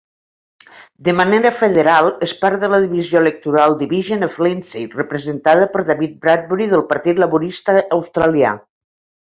De manera federal, és part de la divisió electoral Division of Lindsay, representada per David Bradbury del partit Laborista australià.